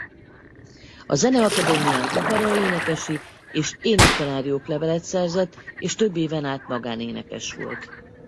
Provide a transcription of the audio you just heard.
A Zeneakadémián operaénekesi és énektanári oklevelet szerzett és több éven át magánénekes volt.